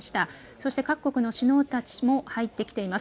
そして各国の首脳たちも入ってきています。